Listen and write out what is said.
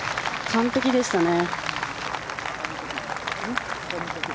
完璧でしたね。